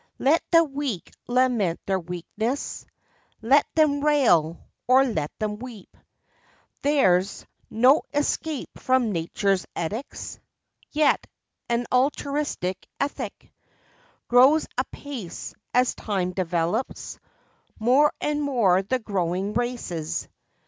Let the weak lament their weakness; Let them rail or let them weep—there's No escape from nature's edicts. Yet, an altruistic ethic Grows apace, as time develops More and more the growing races.